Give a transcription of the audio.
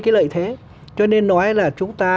cái lợi thế cho nên nói là chúng ta